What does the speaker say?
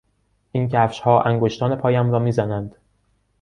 این کفشها انگشتان پایم را میزنند.